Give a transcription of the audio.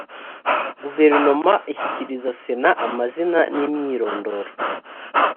guverinoma ishyikiriza sena amazina n ‘imyirondoro.